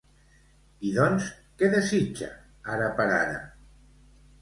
I doncs, què desitja, ara per ara?